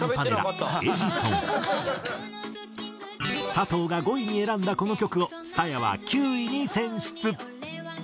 佐藤が５位に選んだこの曲を蔦谷は９位に選出。